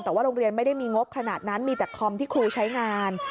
แต่ว่าโรงเรียนไม่ได้มีงบขนาดนั้นมีแต่คอมที่ครูใช้งาน